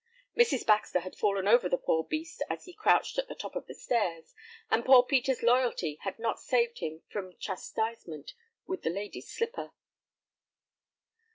Mrs. Baxter had fallen over the poor beast as he crouched at the top of the stairs, and poor Peter's loyalty had not saved him from chastisement with the lady's slipper.